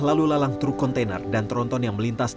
lalu lalang truk kontainer dan tronton yang melintas